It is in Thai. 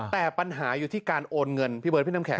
แต่ปัญหาอยู่ที่การโอนเงินพี่เบิร์พี่น้ำแข